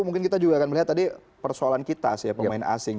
mungkin kita juga akan melihat tadi persoalan kita sih ya pemain asing